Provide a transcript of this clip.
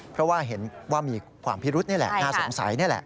เพราะว่าเห็นว่ามีความพิรุธนี่แหละน่าสงสัยนี่แหละ